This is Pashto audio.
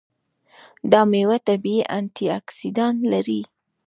دا میوه طبیعي انټياکسیدان لري.